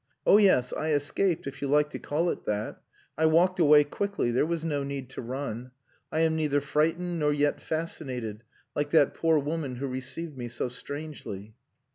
"Oh yes! I escaped, if you like to call it that. I walked away quickly. There was no need to run. I am neither frightened nor yet fascinated, like that poor woman who received me so strangely."